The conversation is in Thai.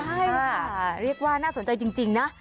ใช่ค่ะเรียกว่าน่าสนใจจริงนะ